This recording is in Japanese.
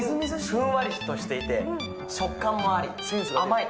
ふんわりとしていて、食感もあり、甘い。